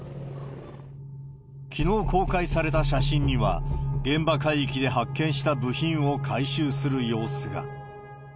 きのう公開された写真には、現場海域で発見した部品を回収する様子が。